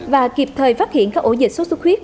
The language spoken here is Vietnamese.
và kịp thời phát hiện các ổ dịch sốt sốt khuyết